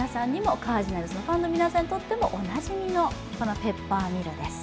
カージナルスのファンの皆さんにとってもおなじみのペッパーミルです。